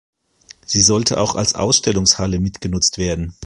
Sie sollte auch als Ausstellungshalle mitgenutzt werden.